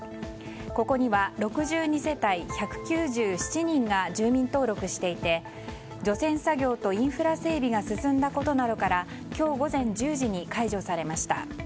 ここには６２世帯１９７人が住民登録していて除染作業とインフラ整備が進んだことなどから今日午前１０時に解除されました。